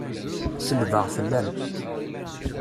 Selbeɣ fell-am.